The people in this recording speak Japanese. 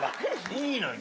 いいのよ。